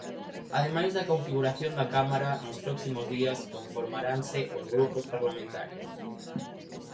Ademais da configuración da Cámara, nos próximos días conformaranse os grupos parlamentarios.